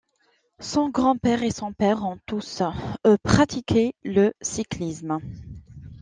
Son grand-père et son père ont tous eux pratiqué le cyclisme.